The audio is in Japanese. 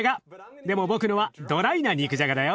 でも僕のはドライな肉じゃがだよ。